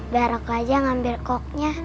biar aku aja ngambil koknya